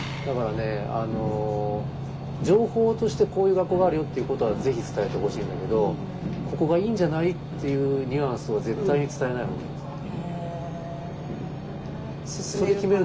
だからね情報としてこういう学校があるよっていうことはぜひ伝えてほしいんだけどここがいいんじゃないっていうニュアンスを絶対に伝えない方がいいです。